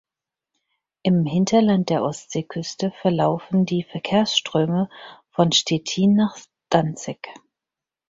Im Hinterland der Ostseeküste verlaufen die Verkehrsströme von Stettin nach Danzig.